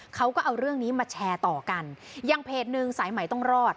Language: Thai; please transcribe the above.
เขาก็เอาเรื่องนี้มาแชร์ต่อกันอย่างเพจหนึ่งสายใหม่ต้องรอด